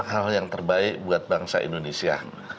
hal yang terbaik buat bangsa indonesia